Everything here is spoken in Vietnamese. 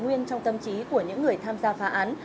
nguyên trong tâm trí của những người tham gia phá án